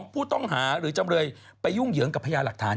ผู้ต้องหาหรือจำเลยไปยุ่งเหยิงกับพญาหลักฐาน